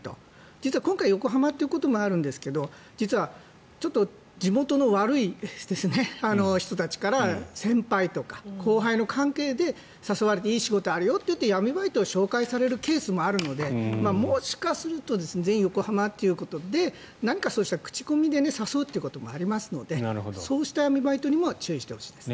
実は今回横浜ということもあるんですが実は、地元の悪い人たちから先輩とか後輩の関係で誘われていい仕事あるよといって闇バイトを紹介されるケースもあるのでもしかすると全員、横浜ということで何かそうした口コミで誘うということもありますのでそうした闇バイトにも注意してほしいですね。